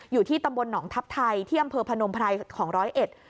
อยู่ที่ตำบลหนองทัพไทยที่อำเภอพนมไพรของร้อยเอ็ด